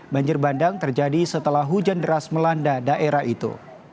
banjir bandang terjadi setelah hujan deras melanda daerah itu